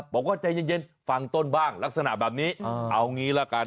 บอกว่าใจเย็นฟังต้นบ้างลักษณะแบบนี้เอางี้ละกัน